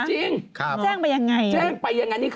จริงแจ้งไปอย่างไร